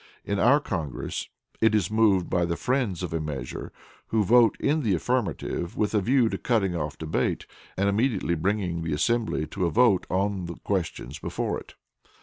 In our Congress, it is moved by the friends of a measure, who vote in the affirmative with a view to cutting off debate and immediately bringing the assembly to a vote on the questions before it.